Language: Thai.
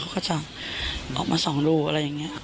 เขาก็จะออกมาส่องดูอะไรอย่างนี้